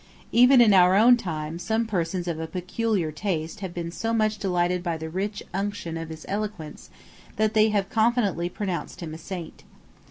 Even in our own time some persons of a peculiar taste have been so much delighted by the rich unction of his eloquence, that they have confidently pronounced him a saint.